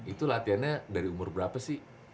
itu latihannya dari umur berapa sih